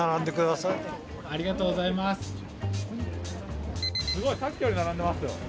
さっきより並んでますよ。